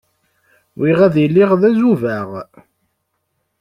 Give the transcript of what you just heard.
Bɣiɣ ad iliɣ d azubaɣ.